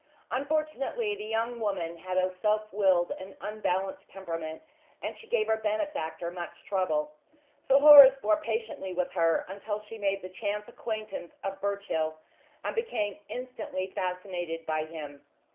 Unfortunately the young woman had a self willed and unbalanced temperament, and she gave her benefactor much trouble. Sir Horace bore patiently with her until she made the chance acquaintance of Birchill, and became instantly fascinated by him.